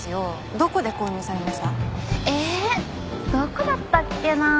どこだったっけなあ。